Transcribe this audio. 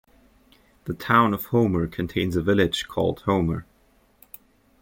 The town of Homer contains a village called Homer.